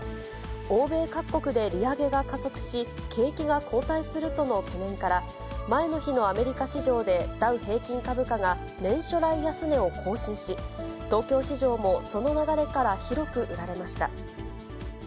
欧米各国で利上げが加速し、景気が後退するとの懸念から、前の日のアメリカ市場で、ダウ平均株価が年初来安値を更新し、東京市場も、その流れから広く売られました。